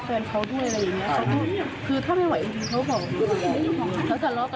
แต่ว่าถ้าติดเล่าเนี่ยมันใช่เลยค่ะ